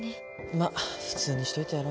まっ普通にしといてやろ。